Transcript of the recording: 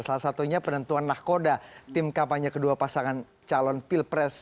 salah satunya penentuan nahkoda tim kampanye kedua pasangan calon pilpres